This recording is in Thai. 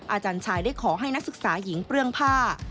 อาจารย์ชายได้ขอให้นักศึกษาหญิงเปลื้องผ้า